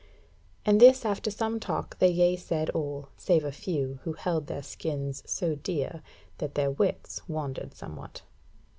And this after some talk they yea said all, save a few who held their skins so dear that their wits wandered somewhat.